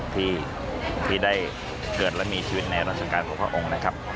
ที่ได้เกิดและมีชีวิตในราชการของพระองค์นะครับ